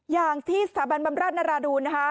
อย่างที่สถาบันบำรัดนารดูน